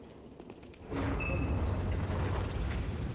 Ilikuwa na uzito